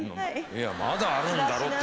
いやまだあるんだろうって。